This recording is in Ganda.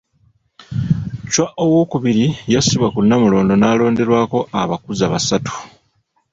Chwa II yassibwa ku Nnamulondo n'alonderwako abakuza basatu.